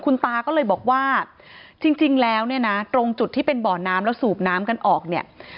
คุณตาก็เลยบอกว่าจริงแล้วเนี่ยนะตรงจุดที่เป็นบ่อน้ำแล้วสูบน้ำกันออกเนี่ย